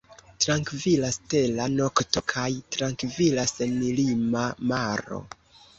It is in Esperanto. Trankvila stela nokto kaj trankvila senlima maro.